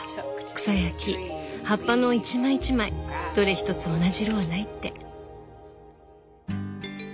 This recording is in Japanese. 草や木葉っぱの一枚一枚どれ一つ同じ色はないって。